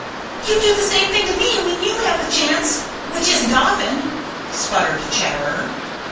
"You do the same thing to me when you have the chance, which isn't often," sputtered Chatterer.